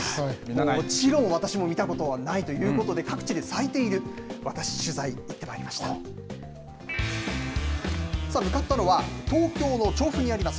もちろん私も見たことはないということで、各地で咲いている、私、取材、行ってまいりました。向かったのは、東京の調布にあります